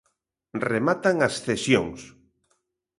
Rematan as cesións.